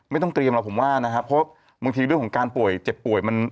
ไม่ต้องเตรียมหรอกผมว่านะครับเพราะบางทีเรื่องของการป่วยเจ็บป่วยมัน